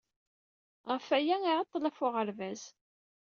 Ɣef waya i iɛeṭṭel ɣef uɣerbaz.